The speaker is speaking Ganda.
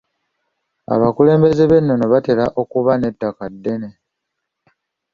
Abakulembeze b'ennono batera okuba n'ettaka ddene.